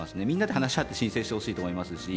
みんなで話し合って申請してほしいなと思います。